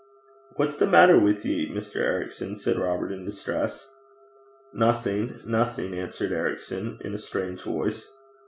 'What's the maitter wi' ye, Mr. Ericson?' said Robert, in distress. 'Nothing, nothing,' answered Ericson, in a strange voice.